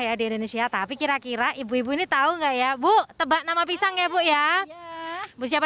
ya di indonesia tapi kira kira ibu ibu ini tahu enggak ya bu tebak nama pisang ya bu ya ibu siapa